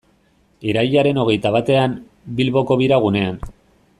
Irailaren hogeita batean, Bilboko Bira gunean.